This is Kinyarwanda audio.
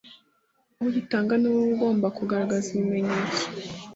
Ugitanga niwe ugomba kugaragaza ikimenyetso